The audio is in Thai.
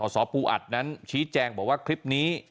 สปูอัดนั้นชี้แจงบอกว่าคลิปนี้